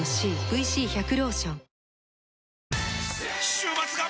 週末が！！